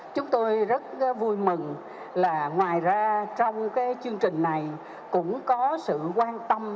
chúng tôi rất vui mừng là ngoài ra trong cái chương trình này cũng có sự quan tâm